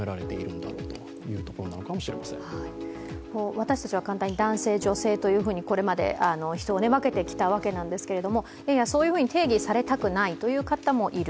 私たちは簡単に男性、女性というふうに人を分けてきたわけなんですけど、いやいや、そういうふうに定義されたくないという人たちもいる。